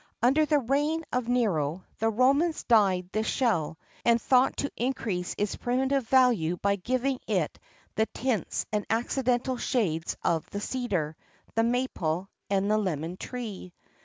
[XXXII 17] Under the reign of Nero, the Romans dyed this shell, and thought to increase its primitive value by giving it the tints and accidental shades of the cedar, the maple, and the lemon tree.